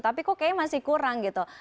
tapi kok kayaknya masih kurang gitu